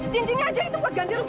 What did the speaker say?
cincinnya aja itu pak ganti rugi